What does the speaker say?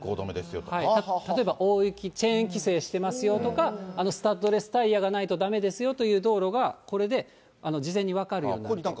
例えば大雪、チェーン規制してますよとか、スタッドレスタイヤがないとだめですよという道路が、これで事前に分かるようになってる。